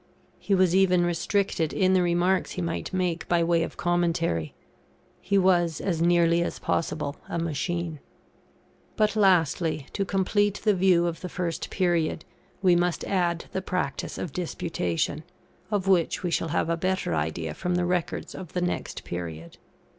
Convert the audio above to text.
He was even restricted in the remarks he might make by way of commentary. He was as nearly as possible a machine. But lastly, to complete the view of the first period, we must add the practice of Disputation, of which we shall have a better idea from the records of the next period.